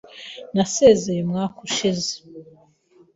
Nasezeye umwaka ushize.